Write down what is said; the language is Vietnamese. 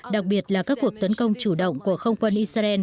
đặc biệt là các cuộc tấn công chủ động của không quân israel